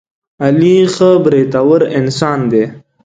علي ښه برېتور انسان دی.